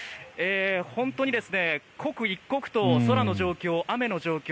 本当に刻一刻と空の状況、雨の状況